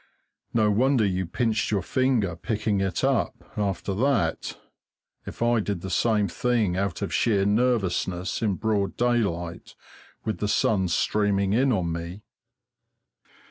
No wonder you pinched your finger picking it up, after that, if I did the same thing out of sheer nervousness, in broad daylight, with the sun streaming in on me.